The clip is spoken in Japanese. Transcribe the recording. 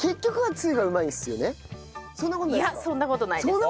いやそんな事ないです！